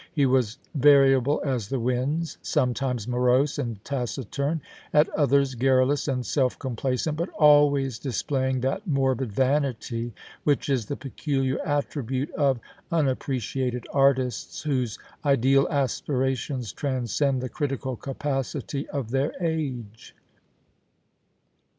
He was variable as the winds, sometimes morose and taciturn, at others garrulous and self complacent, but always displaying that morbid vanity which is the peculiar attribute of unap preciated artists, whose ideal aspirations transcend the critical capacity of their age.